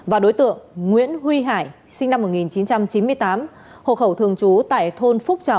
và đối tượng nguyễn huy hải sinh năm một nghìn chín trăm chín mươi tám hộ khẩu thường trú tại thôn phúc trà